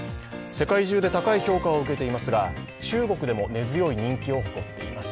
世界中で高い評価を受けていますが、中国でも根強い人気を誇っています。